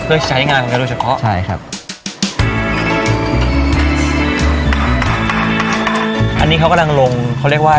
เพื่อใช้งานของกันโดยเฉพาะใช่ครับควรยุสาหกรรมที่เราปลูกขึ้นมาเนี่ยเพื่อใช้งานของกันโดยเฉพาะ